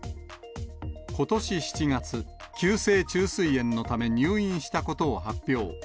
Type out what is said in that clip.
ことし７月、急性虫垂炎のため入院したことを発表。